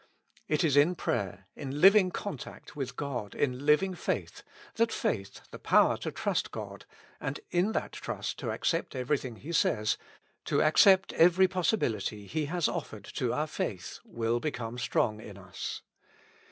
It is in prayer, in living contact with God in living faith, that faith, the power to trust God, and in that trust, to accept everything He says, to accept every possibility He has offered to our faith, will become strong in us.